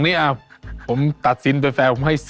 อร่อยจริงอร่อยจริงอร่อยจริงอ